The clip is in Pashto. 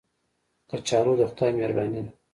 کچالو د خدای مهرباني ده